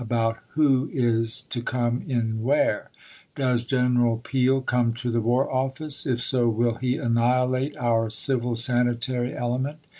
about who is to come in where. Does Gen. Peel come to the War Office? If so, will he annihilate our Civil Sanitary element?